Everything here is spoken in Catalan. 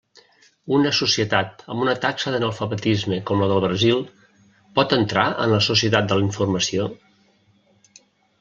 Una societat amb una taxa d'analfabetisme com la del Brasil, ¿pot entrar en la societat de la informació?